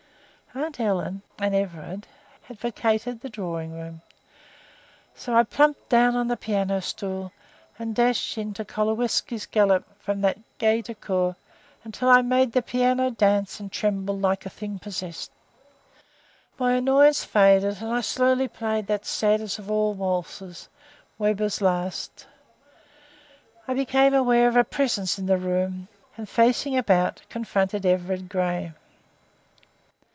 Aunt Helen and Everard had vacated the drawing room, so I plumped down on the piano stool and dashed into Kowalski's galop, from that into "Gaite de Coeur" until I made the piano dance and tremble like a thing possessed. My annoyance faded, and I slowly played that saddest of waltzes, "Weber's Last". I became aware of a presence in the room, and, facing about, confronted Everard Grey.